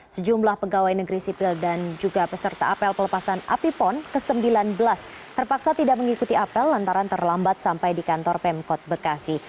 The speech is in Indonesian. sejumlah pegawai negeri sipil dan juga peserta apel pelepasan api pon ke sembilan belas terpaksa tidak mengikuti apel lantaran terlambat sampai di kantor pemkot bekasi